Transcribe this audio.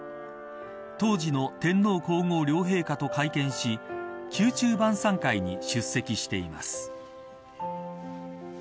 当時の天皇皇后両陛下と会見し宮中晩さん会に出席しています。